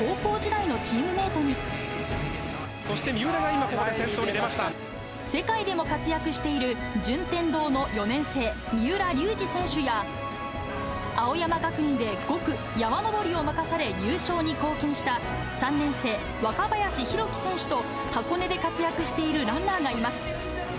そして三浦が今、ここで先頭世界でも活躍している順天堂の４年生、三浦龍司選手や、青山学院で５区、山登りを任され、優勝に貢献した３年生、若林宏樹選手と、箱根で活躍しているランナーがいます。